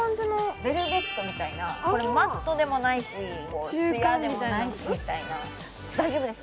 ベルベットみたいなこれマットでもないしツヤでもないしみたいな大丈夫ですか？